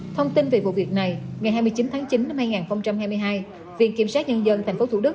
thông tin về vụ việc này ngày hai mươi chín tháng chín năm hai nghìn hai mươi hai viện kiểm sát nhân dân tp thủ đức